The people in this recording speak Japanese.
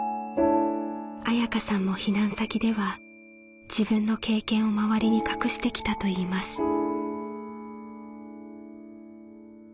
恵佳さんも避難先では自分の経験を周りに隠してきたといいます。